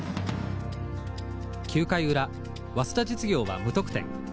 ９回裏早稲田実業は無得点。